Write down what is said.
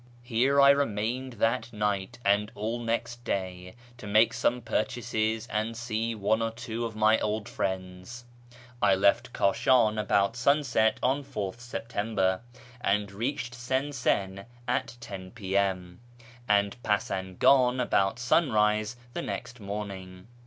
Here I remained that night and all next day to make some purchases and see one or two of my old friends. I left Kashan about sunset on 4th September, and reached Sinsiu at 10 p.:m., and Pasangan about sunrise the next morn ing.